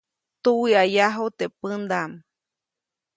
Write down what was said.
Tuwiʼayaju teʼ pändaʼm.